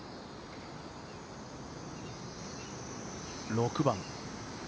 ６番。